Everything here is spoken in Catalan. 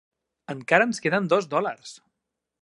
Encara ens queden dos dòlars!